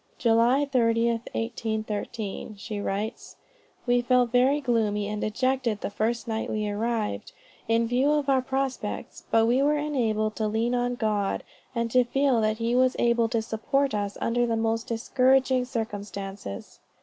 July 30, 1813, she writes: "We felt very gloomy and dejected the first night we arrived, in view of our prospects; but we were enabled to lean on God, and to feel that he was able to support us under the most discouraging circumstances.